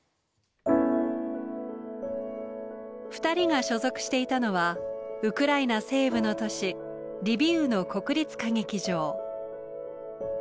二人が所属していたのはウクライナ西部の都市リビウの国立歌劇場。